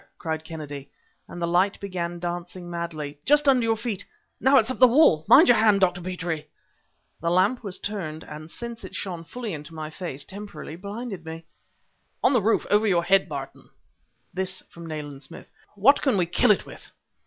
cried Kennedy and the light began dancing madly. "Just under your feet! Now it's up the wall! mind your hand, Dr. Petrie!" The lamp was turned, and, since it shone fully into my face, temporarily blinded me. "On the roof over your head, Barton!" this from Nayland Smith. "What can we kill it with?"